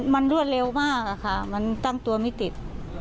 มันรอดเร็วมากมันตั้งตัวไม่ติด